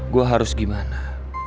gua harus gimana